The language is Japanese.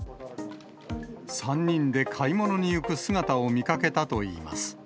３人で買い物に行く姿を見かけたといいます。